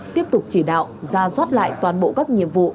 tiếp tục chỉ đạo ra soát lại toàn bộ các nhiệm vụ